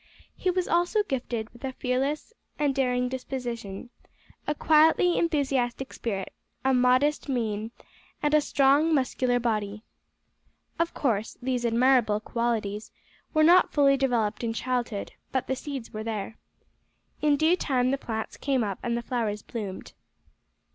He was also gifted with a fearless and daring disposition, a quietly enthusiastic spirit, a modest mien, and a strong muscular body. Of course these admirable qualities were not fully developed in childhood, but the seeds were there. In due time the plants came up and the flowers bloomed.